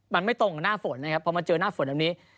มันไม่ตรงกับหน้าฝนนะครับพอมาเจอหน้าฝนแบบนี้